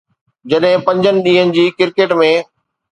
جڏهن پنجن ڏينهن جي ڪرڪيٽ ۾